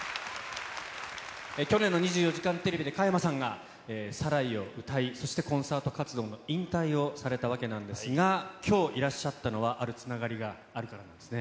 去年の２４時間テレビで加山さんがサライを歌い、そしてコンサート活動も引退をされたわけなんですが、きょういらっしゃったのは、あるつながりがあるからなんですね。